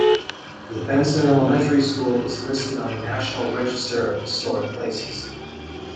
The Benson Elementary School is listed on the National Register of Historic Places.